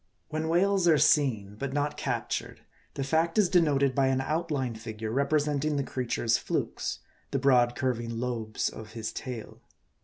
When whales are seen, but not captured, the fact is de noted by an outline figure representing the creature's flukes, the broad, curving lobes of his tail.